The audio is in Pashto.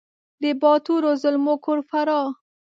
د باتورو زلمو کور فراه !